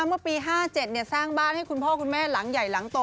เมื่อปี๕๗สร้างบ้านให้คุณพ่อคุณแม่หลังใหญ่หลังโต